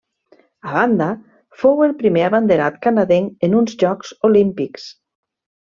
A banda, fou el primer abanderat canadenc en uns Jocs Olímpics.